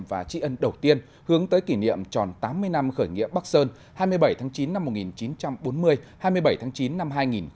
và tri ân đầu tiên hướng tới kỷ niệm tròn tám mươi năm khởi nghĩa bắc sơn hai mươi bảy tháng chín năm một nghìn chín trăm bốn mươi hai mươi bảy tháng chín năm hai nghìn hai mươi